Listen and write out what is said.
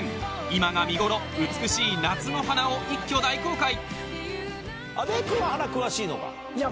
今が見ごろ美しい夏の花を一挙大公開！